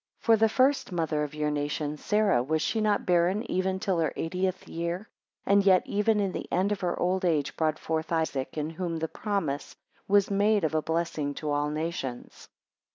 6 For the first mother of your nation, Sarah, was she not barren even till her eightieth year: and yet even in the end of her old age brought forth Isaac, in whom the promise was made of a blessing to all nations.